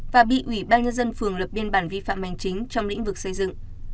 và bị ủy ban nhân dân phường lập biên bản vi phạm hành chính trong lĩnh vực xây dựng